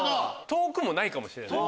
遠くもないかもしれない。